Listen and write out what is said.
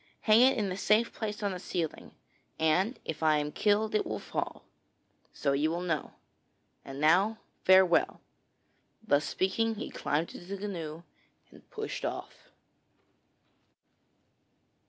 Hang it in a safe place high on the ceiling, and if I am killed, it will fall. So you will know. And now farewell.' Thus speaking he climbed into the canoe and pushed off.